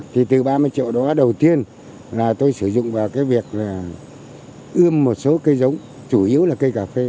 thì từ ba mươi chỗ đó đầu tiên là tôi sử dụng vào cái việc là ươm một số cây giống chủ yếu là cây cà phê